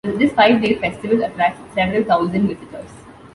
This five-day festival attracts several thousand visitors.